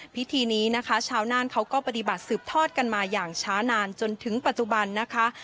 พิธีนี้นะคะชาวน่านเขาก็ปฏิบัติสืบทอดกันมาอย่างช้านานจนถึงปัจจุบันนะคะ